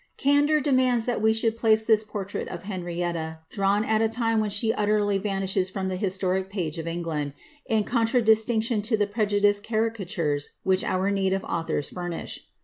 Candour demands that we should place this portrait of Henrietti, drawn at a time when she utterly vanishes from the historic page of England, in contradistinction to the prejudiced caricatures which our native authors furnish.